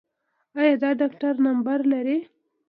ایا د ډاکټر نمبر لرئ؟